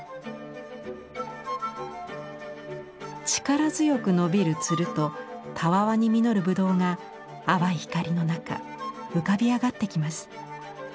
力強く伸びる蔓とたわわに実る葡萄が淡い光の中浮かび上がってきます。